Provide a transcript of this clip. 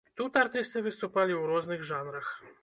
Тут артысты выступалі у розных жанрах.